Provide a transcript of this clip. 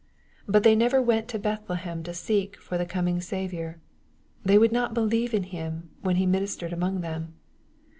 But they never went to Bethlehem to seek for the coming Saviour. They would not believe in Him, when He ministered among them.